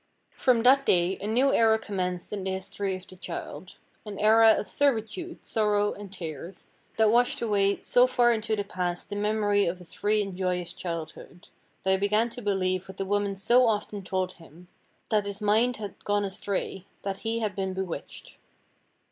From that day a new era commenced in the history of the child. An era of servitude, sorrow, and tears, that washed away so far into the past the memory of his free and joyous childhood, that he began to believe what the woman so often told him, that his mind had gone astray, that he had been bewitched.